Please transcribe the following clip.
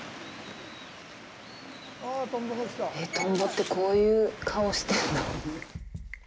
え、トンボってこういう顔してるの？